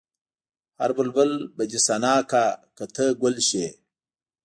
هر بلبل به دې ثنا کا که ته ګل شې.